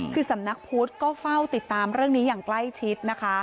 คือสำนักพุทธก็เฝ้าติดตามเรื่องนี้อย่างใกล้ชิดนะคะ